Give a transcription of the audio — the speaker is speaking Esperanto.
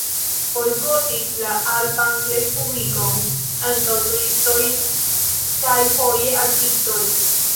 Bojkotis la alpan respublikon ankaŭ turistoj kaj foje artistoj.